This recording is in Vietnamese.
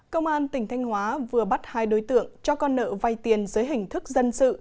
công an tỉnh thanh hóa vừa bắt hai đối tượng cho con nợ vay tiền dưới hình thức dân sự